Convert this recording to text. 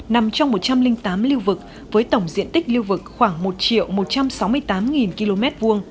nằm trong một trăm linh tám lưu vực với tổng diện tích lưu vực khoảng một một trăm sáu mươi tám km hai